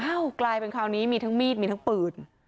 กลายเป็นคราวนี้มีทั้งมีดมีทั้งปืน